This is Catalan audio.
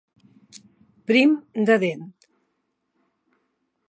Prim de dent.